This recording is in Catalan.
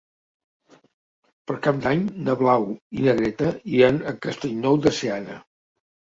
Per Cap d'Any na Blau i na Greta iran a Castellnou de Seana.